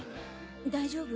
大丈夫？